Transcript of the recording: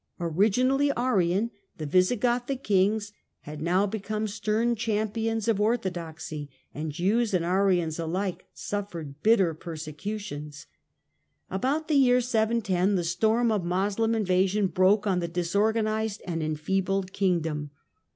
Originally Arian, the Visigothic kings had now become stern champions of orthodoxy, and Jews and Arians alike suffered bitter persecutions. 80 THE DAWN OF MEDIEVAL EUROPE About the year 710 the storm of Moslem invasion broke on the disorganised and enfeebled kingdom.